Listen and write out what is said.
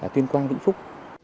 tuyên quang vĩnh phúc